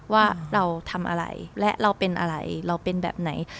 ว่าเราทำอะไรและเราเป็นอะไรเราเป็นแบบไหน